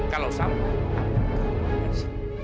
kalau sampai mama akan keluar dari sini